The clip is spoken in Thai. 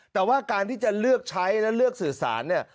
แต่ว่าการที่จะเลือกใช้และเลือกสื่อสารเนี่ย